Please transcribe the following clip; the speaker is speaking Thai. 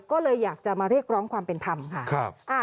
ก็เลยอยากจะมาเรียกร้องความเป็นธรรมค่ะ